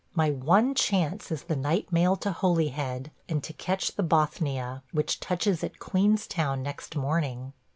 My one chance is the night mail to Holyhead and to catch the Bothnia, which touches at Queenstown next morning.